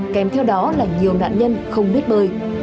kèm theo đó là nhiều nạn nhân không biết bơi